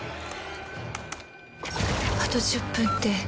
あと１０分って。